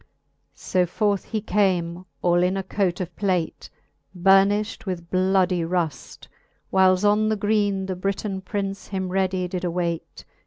XXIX. So forth he came all in a cote of plate, Burnifht with bloudie ruft, whiles on the greene The Briton Prince him readie did awayte.